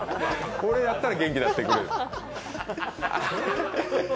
これやったら元気になってくれる。